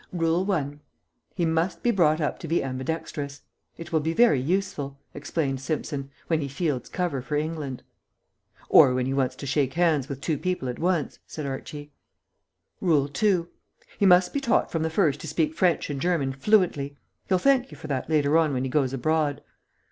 "'RULE ONE. He must be brought up to be ambidextrous.' It will be very useful," explained Simpson, "when he fields cover for England." "Or when he wants to shake hands with two people at once," said Archie. "'RULE TWO. He must be taught from the first to speak French and German fluently.' He'll thank you for that later on when he goes abroad."